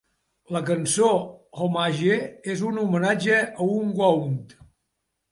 La cançó "Homage" és un homenatge a Unwound.